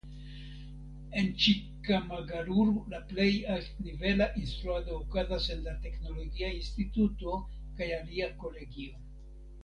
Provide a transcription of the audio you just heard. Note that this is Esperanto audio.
En Ĉikkamagaluru la plej altnivela instruado okazas en la teknologia instituto kaj alia kolegio.